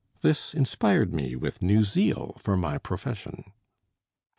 This inspired me with new zeal for my profession.